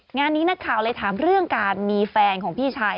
งานนี้นักข่าวเลยถามเรื่องการมีแฟนของพี่ชาย